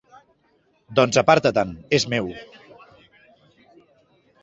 Doncs aparta-te 'n, és meu.